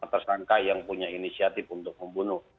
tersangka yang punya inisiatif untuk membunuh